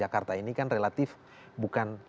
jakarta ini kan relatif bukan